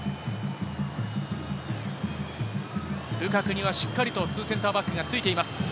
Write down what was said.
ルカクにはしっかりと２センターバックがついています。